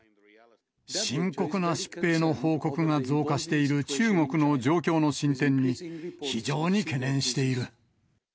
深刻な疾病の報告が増加している中国の状況の進展に、非常に懸念している。